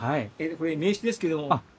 これ名刺ですけれども。